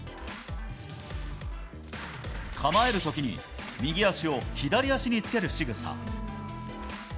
構えるときに、右足を左足につけるしぐさ。